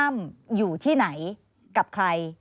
อยู่ที่ไหนกับใคร